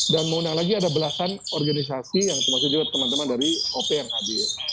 dan mengundang lagi ada belasan organisasi yang juga teman teman dari oprhb